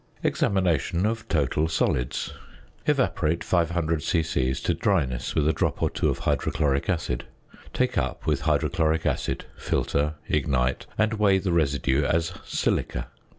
~Examination of "Total Solids."~ Evaporate 500 c.c. to dryness with a drop or two of hydrochloric acid. Take up with hydrochloric acid, filter, ignite, and weigh the residue as "silica."